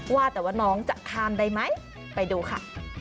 ว่าแต่ว่าน้องจะข้ามได้ไหมไปดูค่ะ